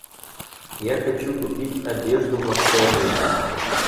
Я хочу купить одежду во вторник.